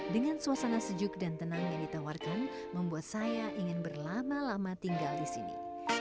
dengan suasana sejuk dan tenang yang ditawarkan membuat saya ingin berlama lama tinggal di sini